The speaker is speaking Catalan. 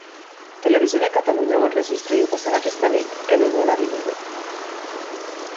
Televisió de Catalunya ho enregistra i ho passarà aquesta nit, en un horari millor.